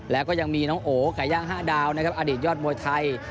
แล้วก็ยังมีน้องโอ๋ไก่ย่าง๕ดาวนะครับอดีตยอดมวยไทย